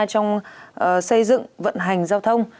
trong xây dựng vận hành giao thông